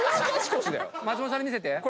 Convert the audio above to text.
松本さんに見せて。